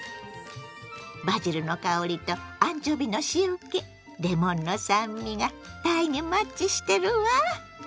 バジルの香りとアンチョビの塩けレモンの酸味がたいにマッチしてるわ。